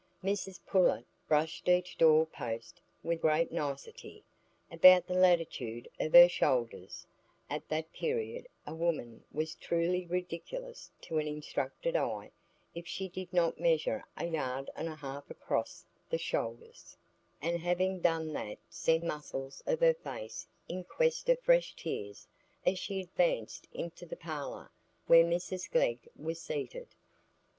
Mrs Pullet brushed each door post with great nicety, about the latitude of her shoulders (at that period a woman was truly ridiculous to an instructed eye if she did not measure a yard and a half across the shoulders), and having done that sent the muscles of her face in quest of fresh tears as she advanced into the parlour where Mrs Glegg was seated.